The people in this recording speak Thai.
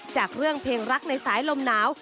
จากเรื่องเพลงรักในสายลมหนาว